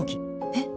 えっ！